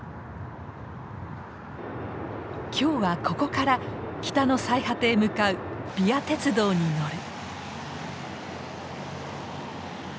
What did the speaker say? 今日はここから北の最果てへ向かうＶＩＡ鉄道に乗る。